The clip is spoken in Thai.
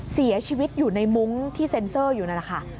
เสียชีวิตอยู่ในมุ้งที่เซ็นเซอร์อยู่นั่นแหละค่ะ